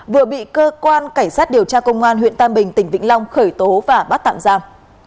vừa bị cơ quan cảnh sát điều tra công an huyện tam bình tỉnh vĩnh long khởi tố và bắt tạm giam